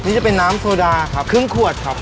นี่จะเป็นน้ำโซดาครับครึ่งขวดครับ